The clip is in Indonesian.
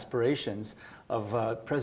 aspirasi yang sangat besar